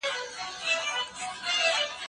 د یوې سالمې ټولنې لپاره کار وکړئ.